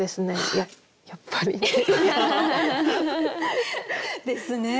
やっぱり。ですね。